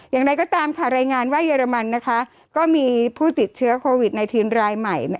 อย่างไรก็ตามค่ะรายงานว่าเยอรมันก็มีผู้ติดเชื้อโควิด๑๙รายใหม่